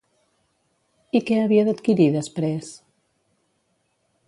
I què havia d'adquirir després?